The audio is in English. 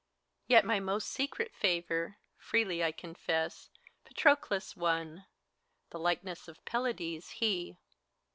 HELENA, Yet most my secret favor, freely I confess, Patroclus won, the likeness of Pelides he.